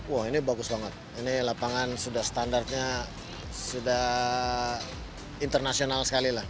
wah ini bagus banget ini lapangan sudah standarnya sudah internasional sekali lah